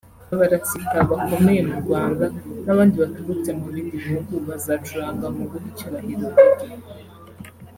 Abarasita bakomeye mu Rwanda n’abandi baturutse mu bindi bihugu bazacuranga mu guha icyubahiro Reggae